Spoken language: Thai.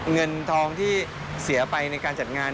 เงินทองที่เสียไปในการจัดงาน